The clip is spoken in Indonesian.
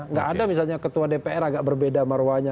nggak ada misalnya ketua dpr agak berbeda marwahnya